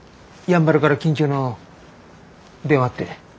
やんばるから緊急の電話って。